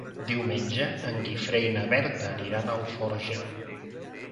Diumenge en Guifré i na Berta aniran a Alforja.